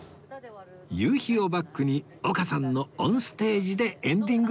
夕日をバックに丘さんのオンステージでエンディング